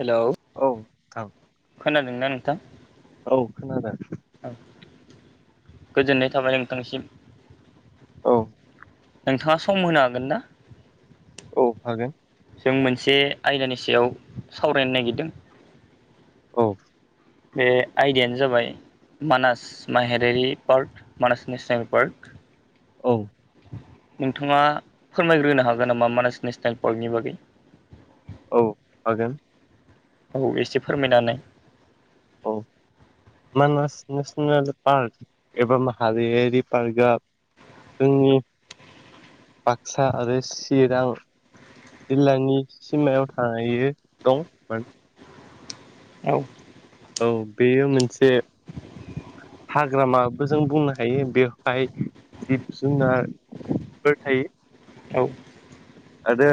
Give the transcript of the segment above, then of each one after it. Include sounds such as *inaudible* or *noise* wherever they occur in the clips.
Hello औ नोंथां। खोनादोंना नोंथां? औ खोनादों। औ गोजोननाय थाबाय नोंथांसिम। औ। नोंथाङा सम होनो हागोन दा? औ हागोन। जों मोनसे आयदानि सायाव सावरायनो नागिरदों औ। बे आयदायानो जाबाय मानास माहारिआरि पार्क मानास नेसनेल पार्क औ। नोंथाङा फोरमायग्रोनो हागोन नामा मानास नेसनेल पार्कनि बागै? औ हागोन। औ एसे फोरमायना होनाय। औ। मानास नेसनेल पार्क एबा माहारियारि पार्कआ जोंनि बाक्सा आरो चिरां जिल्लानि सिमायाव थायो दं औ। औ बेयो मोनसे हाग्रामाबो जों बुंनो हायो बेवहाय जिब जुनारफोर थायो। औ। आरो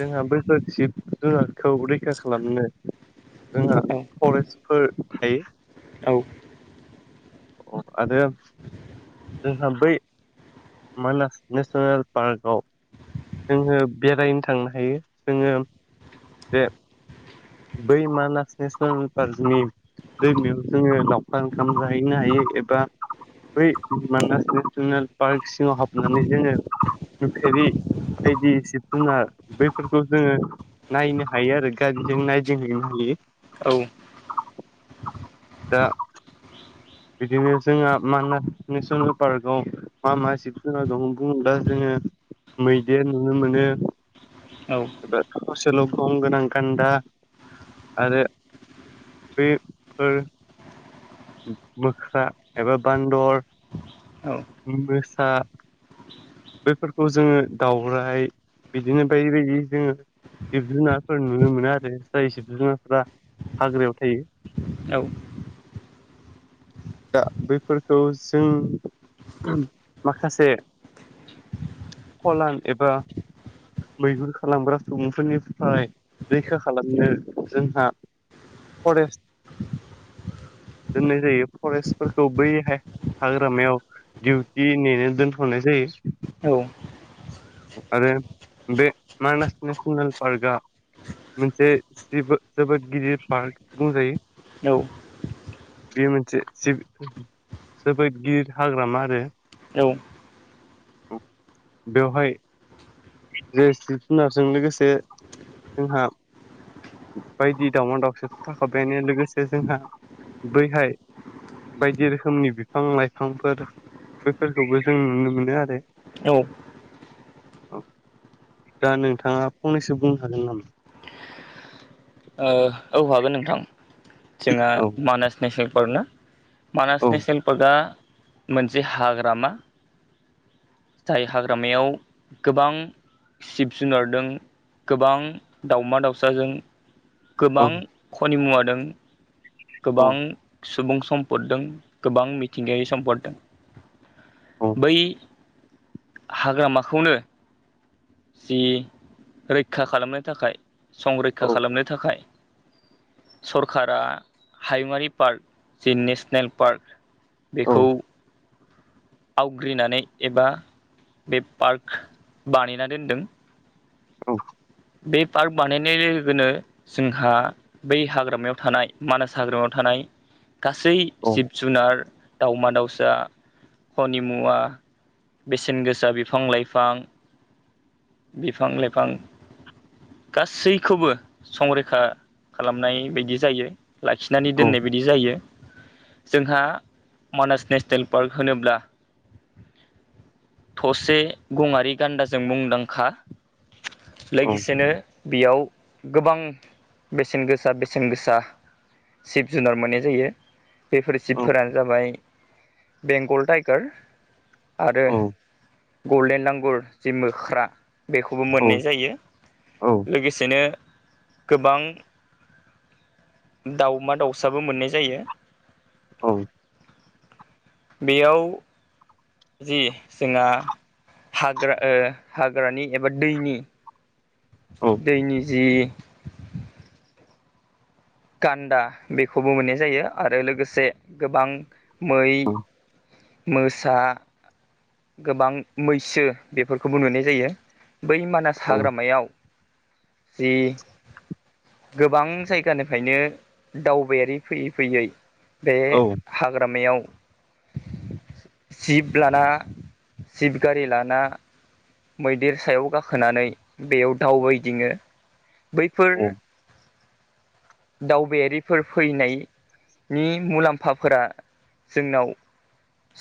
जोंहा बैफोर जिब जुनारखौ रैखा खालामनो जोंहा फरेस्टफोर औ थायो। आरो जोंहा बै मानास नेसनेल पार्कआव जोङो बेरायनो थांनो हायो जोङो बेे बै मानास नेसनेल पार्कनि दैमायाव जोङो लावखार ओंखाम जाहैनो हायो। एबा बै मानास नेसनेल पार्क सिङाव हाबनानै जोङो नुफेरि बायदि जिब जुनार बैफोरखौ जोङो नायनो हायो आरो गारिजों नाय दिंहैनो हायो औ दा बिदिनो जोंहा मानास नेसनेल पार्कआव मा मा जिब जुनार दं बुङोब्ला जोङो मैदेर नुनो मोनो औ एबा थसेल' गं गोनां गान्दा आरो बेफोर मोख्रा एबा बान्दर औ मोसा बेैफोरखौ जोङो दाउरायाइ बिदिनो बायदि बायदि जोङो जिब जुनारफोर नुनो मोनो आरो जाय जिब जुनारफोरा हाग्रायाव थायो औ दा बैफोरखौ जों माखासे फलान एबा मैहुर खालामग्रा सुबुंफोरनिफ्राय रैखा खालामनो जोंहा फरेस्ट *inaudible* दोननाय जायो फरेस्टफोरखौ बैहाय हाग्रामायाव डिउटि नेनो दोनथ'नाय जायो। औ आरो बे मानास नेसनेल पार्कआ मोनसेबो जोबोद गिदिर पार्क बुंजायो। औ बे मोनसे जोबोद गिदिर हाग्रामा आरो औ बेवहाय जे जिब जुनारजों लोगोसे जोंहा बायदि दावमाव दावसा थाखाय बेङो लोगोसे जोंहा बैहाय बायदि रोखोमनि बिफां लाइफांफोर बेफोरखौबो जों नुनो मोनो आरो *inaudible* दा नोंथाङा फंनैसो बुंनो हागोन नामा? औ हागोन नोंथां जोंहा औ मानास नेसनेल पार्क ना मानास औ नेसनेल पार्कआ मोनसे हाग्रामा जाय हाग्रामायाव गोबां जिब जुनारदों गोबां दाावमा दाउसाजों औ गोबां खनि मुवादों औ गोबां सुबुं सम्पददों गोबां मिथिंगायारि सम्पददों औ बै हाग्रामाखौनो जि रैखा खालामनो थाखाय औ संरैखा खालामनो थाखाय सरकारा हायुङारि पार्क जे नेसनेल पार्क औ बेखौ आवग्रिनानै एबा बे पार्क बानायना दोनदों। औ बे पार्क बानायनाय लोगोनो जोंहा बै हाग्रामायाव थानाय मानास हाग्रामायाव थानाय गासै औ जिब जुनार दावमा दाउसा हनि मुवा बेसेन गोसा बिफां लाइफां बिफां लाइफां गासैखौबो संरैखा खालामनाय बायदि जायो। लाखिनानै औ दोननाय बायदि जायो। जोंहा मानास नेसनेल पार्क होनोब्ला थसे गङारि गान्दाजों मुंदांखा लोगोसेनो बेयाव गोबां बेसेन गोसा बेसेन गोसा जिब जुनार मोननाय जायो बेफोर औ जिबफोरानो जाबाय बेंगल टाइगार आरो गल्डेन लांगुर जि मोख्रा बेखौबो मोननाय जायो लोगोसेनो नो गोबां दाउमा दाउसाबो मोननाय जायो। बेयाव, जि जोंहा हाग्रा हाग्रानि एबा दैनि दै नि जि गान्दा बेखौबो मोननाय जायो आरो लोगोसे गोबां मै, मोसा गोबां मैसो बेफोरखौबो नुनाय जायो। बै मानास हाग्रामायाव जि गोबां जायगानि ओंखायनो दावबायारि फैयै फैयै बे हाग्रामायाव जिब लाना जिब गारि लाना मैदेर सायाव गाखोनानै बेयाव दावबायदिङो बैफोर, दावबायारिफोर फैनाय नि मुलाम्फाफोरा जोंनाव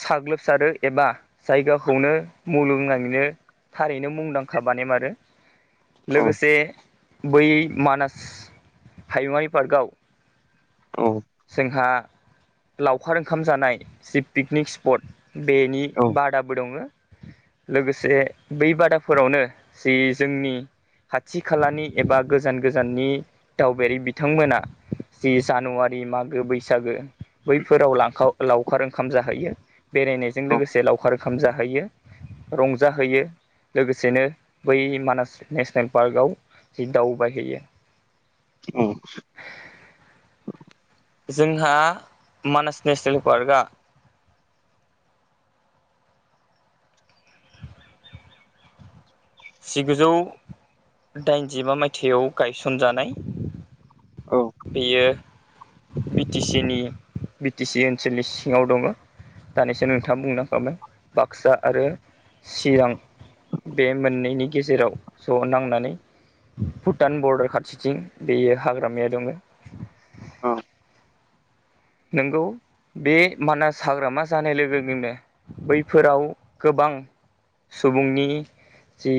साग्लोबसारो एबा जायगाखौनो मुलुगनाङैनो थारैनो मुंदांखा बानायमारो। औ लोगोसे बै मानास हायुङारि पार्कआव, औ जोंहा लावखार ओंखाम जानाय जि पिकनिक स्पट बेनि औ बादाबो दङ। लोगोसे बै बादाफोरावनो जि जोंनि खाथि खालानि एबा गोजान गोजाननि दावबायारि बिथांमोना जि जानुवारि मागो, बैसागो बैफोराव लावखार ओ ओंखाम जाहैयो बेरायनायजों औ लोगोसे लावखार ओंखाम जाहैयो रंजाहोयो। लोगोसेनो बै मानास नेसनेल पार्कआव जि दावबायहैयो, औ जोंहा मानास नेसनेल पार्कआ जिगुजौ दाइनजिबा मायथाइयाव गायसनजानाय। औ बियो बि टि सि नि बि टि सि ओनसोलनि सिङाव दङ। दानिसो नोंथाङा बुंनांखाबाय बाक्सा आरो चिरां बे मोननैनि गेजेराव ज' नांनानै भुटान बर्डार खाथिथिं बेयो हाग्रामाया दङ औ नंगौ बे मानास हाग्रामा जानाय लोगो लोगोनो बैफोराव गोबां गोबां सुबुंनि जि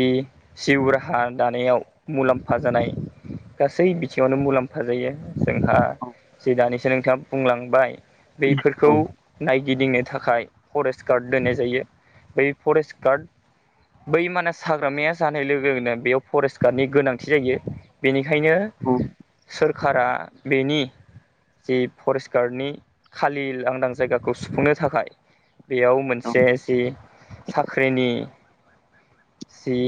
जिउ राहा दानायाव मुलाम्फा जानाय गासै बिथिङावनो मुलाम्फा जायो जोंहा जि दानिसो नोंथाङा बुंलांबाय बफोरखौ औ नायगिदिंनो थाखाय फरेस्ट गार्ड दोननाय जायो बै फरेस्ट गार्ड बै माने हाग्रामाया जानाय लोगोनो बेयाव फरेस्ट गार्डनि गोनांथि जायो बेनिख बेखायनो सोरखारा बेनि जि फरेस्ट गार्डनि खालि लांदां जायगाखौ सुफुंनो थाखाय बेयाव मोनसे औ जि साख्रिनि जि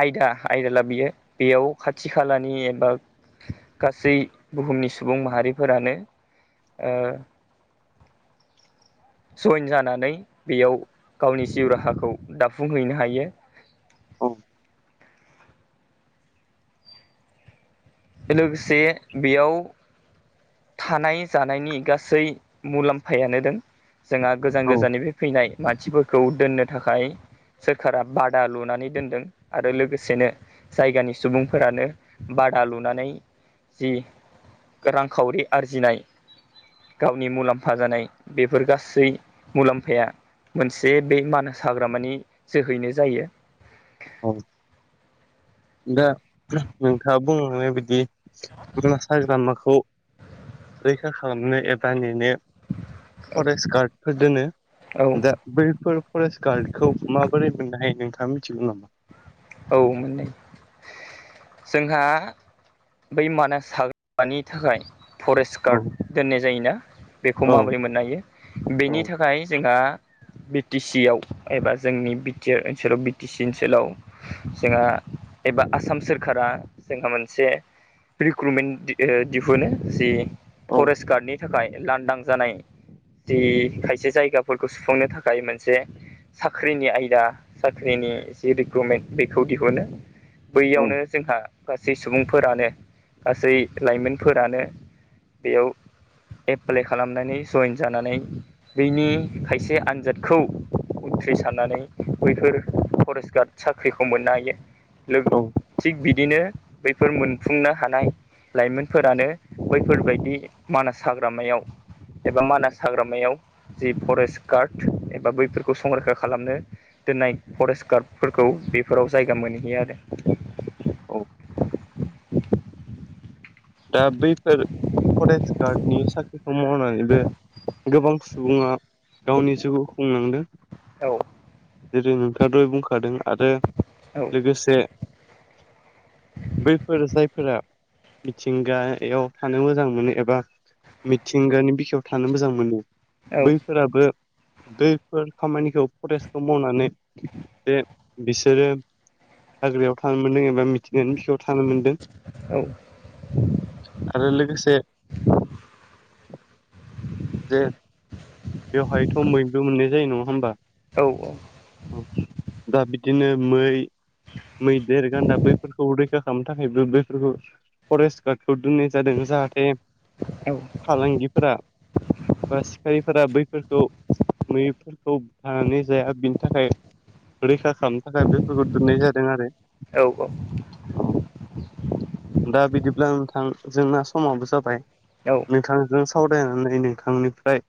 आयदा आयदाला बियो बेयाव खाथि खालानि एबा गासै बुहुमनि सुबुं माहारिफोरानो जइेन जानानै बेयाव गावनि जिउ राहाखौ दाफुंहैनो हायो। औ लोगोसे बेयाव थानाय जानायनि गासै मुलाम्फायानो दं। जोंहा गोजान औ गोजाननि बे फैनाय मानसिफोरखौ दोननो थाखाय सोरखारा बादा लुनानै दोनदों आरो लोगोसेनो जायगानि सुबुंफोरानो बादा लुनो नानै जि रांखावरि आरजिनाय गावनि मुलाम्फा जानाय बेफोर गासै मुलाम्फाया मोनसे बे मानास हाग्रा मानि जोहैनो जायो औ *inaudible* दा नोंथाङा बुंलांनाय बायदि मानास हाग्रामाखौ रैखा खालामनो एबा द्रपप ल नेनो फरेस्ट गार्डफोर दोनो औ दा बैफोर फरेस्ट गार्डखौ माबोरै मोननो हायो नोंथाङा मिथिगौ नामा? मोननै जोंहा बै मानास हाग्रानि थाखाय फरेस्ट औ गार्ड दोननाय जायोना बेखौ औ माबोरै मोननो हायो औ बेनि थाखाय जोंहा बि टि सि आव एबा जोंनि बि टि आर ओनसोलाव बि टि सि ओनसोलाव जोंहा एबा आसाम सोरखारा जोंहा मोनसे रिक्रुटमेन्ट दिहुनो जि औ फरेस्ट गार्डनि नि थाखाय लांदां जानाय जि खायसे जायगाफोरखौ सुफुंनो थाखाय मोनसे साख्रिनि आयदा साख्रिनि जेरोखोम *unintelligible* बेखौ दिहुनो औ बैयावनो जोंहा गासै सुबुंफोरानो गासै लाइमोनफोरानो बेयाव एप्लाइ खालामनानै जइेन जानानै बनि खायसे आनजादखौ उथ्रिसारनानै बैफोर फरेस्ट गार्ड साख्रिखौ मोननो हायो लोगो औ थिग बिदिनो बैफोर मोनफुंनो हानाय लाइमोनफोरानो बैफोरबायदि मानास हाग्रामायाव एबा मानास हाग्रामायाव जि फरेस्ट गार्ड एबा बैफोरखौ संरैखा खालामनो दोननाय फरेस्ट गार्डफोरखौ बेफोराव जायगा मोनहैयो आरो औ दा बैफोर फरेस्ट गार्डनि साख्रिखौ मावनानैबो गोबां सुबुङा गावनि जिउखौ खुंलांदों आरो जेरै नोंथाङाथ बुंखादों आरो औ लोगोसे बैफोर जायफोरा मिथिंगायाव थानो मोजां मोनो एबा मिथिंगानि बिखायाव थानो मोजां मोनो औ बैफोराबो दैफोर खामानिखौ फरेस्टखौ मावनानै जे बिसोरो हाग्रायाव थानो मोनदों एबा मिथिगानि बिसायाव थानो मोनदों औ आरो लोगोसे जे बेवहायथ' बैबो मोननाय जायो नङा होमबा? औ औ दा बिदिनो मै मैदेर गान्दा बैफोरखौ रैखा खालामनो थाखायबो बेफोरखौ फरेस्थ गार्द खौदुंनाय जादों जाहाथे फालांगिफोरा बा सिखाय फोरा बैफोरखौ मैफोरखौ बुथारनानै जाया बिनि थाखाय रैखा खालामनो थाखाय बेफोरखौ दोननाय जादों आरो औ औ औ दा बिदिब्ला नोंथां जोंना समाबो जाबाय औ नोंथांजों सावरायनानै नोंथांनिफ्राय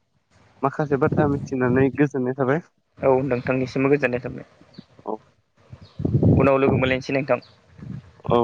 माखासे बाथ्रा मिथिनानै गोजोननाय थाबाय औ नोंथांनिसिमबो गोजोननाय थाबाय। औ उनाव लोगो मोनलायनोसै नोंथां। औ